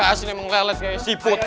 anak ips ini memang lelet kayak seaport